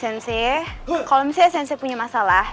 sensei kalau misalnya sensei punya masalah